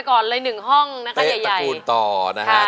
ทั้งคำ